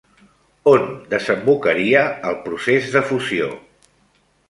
On desembocaria el procés de fusió?